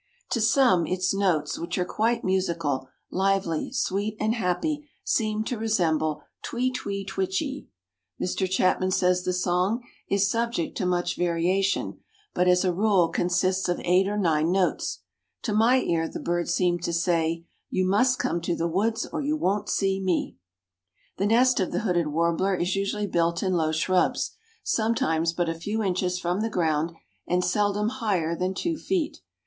To some its notes, which are quite musical, lively, sweet and happy, seem to resemble twee, twee, twitchie. Mr. Chapman says the song "is subject to much variation, but as a rule consists of eight or nine notes. To my ear the bird seems to say, 'You must come to the woods, or you won't see me.'" The nest of the Hooded Warbler is usually built in low shrubs, sometimes but a few inches from the ground and seldom higher than two feet.